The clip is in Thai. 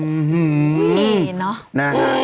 อื้อฮือนี่เนอะ